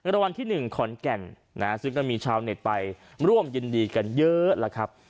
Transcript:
ร่วมยินดีกันเยอะ